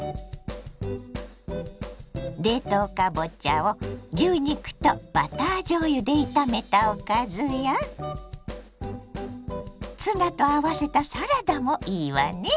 冷凍かぼちゃを牛肉とバターじょうゆで炒めたおかずやツナと合わせたサラダもいいわね。